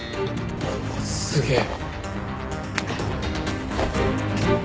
すげえ。